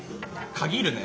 限るね？